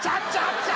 あっちぃ！